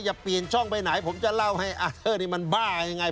อย่าเปลี่ยนช่องไปไหนผมจะเล่าให้อาเตอร์นี่มันบ้าอย่างไร